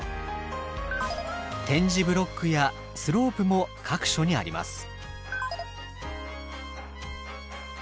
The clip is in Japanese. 点字ブロックやスロープも各所にあります。